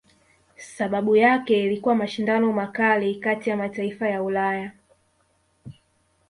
Sababu yake ilikuwa mashindano makali kati ya mataifa ya Ulaya